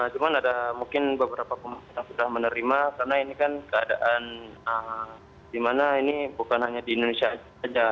cuma ada mungkin beberapa pemain yang sudah menerima karena ini kan keadaan dimana ini bukan hanya di indonesia saja